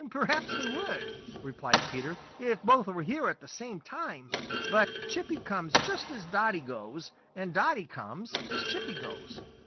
"Perhaps they would," replied Peter, "if both were here at the same time, but Chippy comes just as Dotty goes, and Dotty comes as Chippy goes.